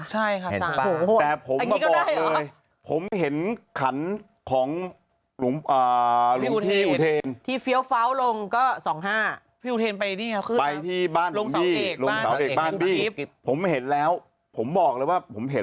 ได้ใช่ป่าวใช่ตายแบบผมก็บอกเลยผมที่เห็นขันของทำไมบันออกเลย